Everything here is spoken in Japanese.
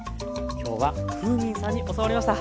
今日はふーみんさんに教わりました。